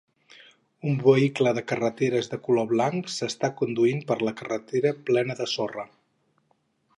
Un vehicle de carreres de color blanc s"està conduint per una carretera plena de sorra.